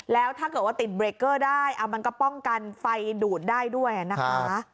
แล้วถ้าเกิดว่าติดเบรกเกอร์ได้มันก็ป้องกันไฟดูดได้ด้วยนะคะ